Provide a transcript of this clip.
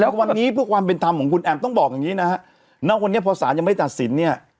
แล้ววันนี้เพื่อความเป็นธรรมของคุณแอมต้องบอกอย่างงี้นะฮะณวันนี้พอสารยังไม่ตัดสินเนี่ย